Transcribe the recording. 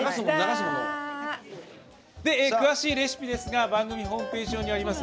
詳しいレシピですが番組ホームページ上にあります